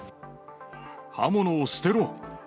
刃物を捨てろ。